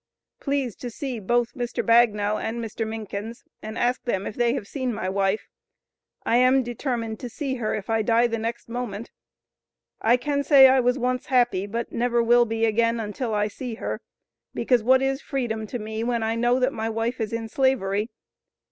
Please to see both Mr. Bagnel and Mr. Minkins, and ask them if they have seen my wife. I am determined to see her, if I die the next moment. I can say I was once happy, but never will be again, until I see her; because what is freedom to me, when I know that my wife is in slavery?